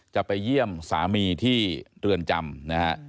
จะไปเยี่ยมสามีที่เรือนจำนะฮะ